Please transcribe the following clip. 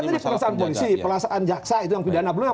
kan tadi perasaan polisi perasaan jaksa itu yang pidana belum yang